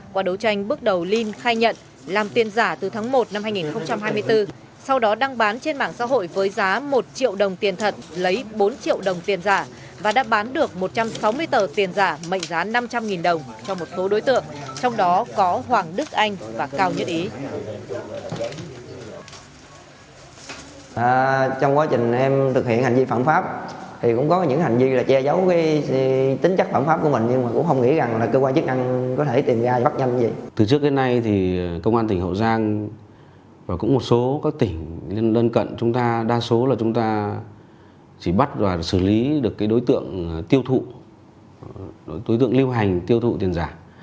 qua đấu tranh bước đầu linh khai nhận làm tiền giả từ tháng một năm hai nghìn hai mươi bốn sau đó đăng bán trên mảng xã hội với giá một triệu đồng tiền thật lấy bốn triệu đồng tiền giả và đã bán được một trăm sáu mươi tờ tiền giả mệnh giá năm trăm linh đồng cho một số đối tượng